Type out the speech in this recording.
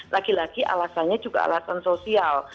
lagi lagi alasannya juga alasan sosial